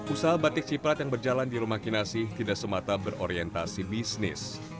usaha batik ciprat yang berjalan di rumah kinasi tidak semata berorientasi bisnis